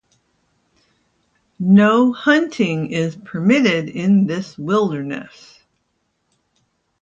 No hunting is permitted in this wilderness.